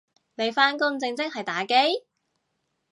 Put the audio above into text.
你返工正職係打機？